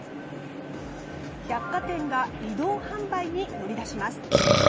百貨店が移動販売に乗り出します。